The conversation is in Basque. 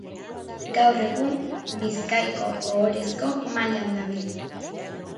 Gaur egun Bizkaiko Ohorezko Mailan dabil.